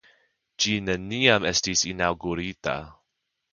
Ĝi neniam estis inaŭgurita.